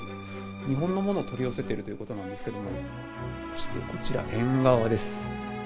日本のものを取り寄せてるということなんですけど、そしてこちら、縁側です。